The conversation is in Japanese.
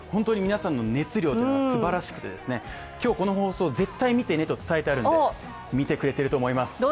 皆さんの熱量というのがすばらしくて、今日この放送絶対見てねと伝えているので見てくれていると思います。